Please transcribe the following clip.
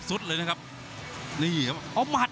อู้ยเสาะเดียวครับ